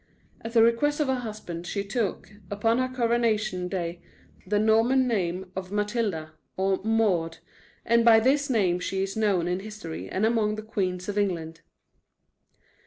At the request of her husband she took, upon her coronation day, the Norman name of Matilda, or Maud, and by this name she is known in history and among the queens of England.